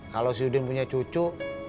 kalau si udin punya cucu